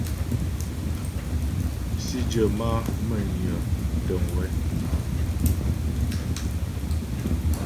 Sǐdyə má'a Mə́nyə təŋ wɛ́.